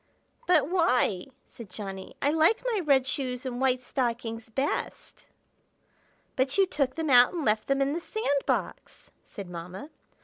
"But why?" said Johnny. "I like my red shoes and white stockings best." "But you took them out and left them in the sand box!" said Mamma.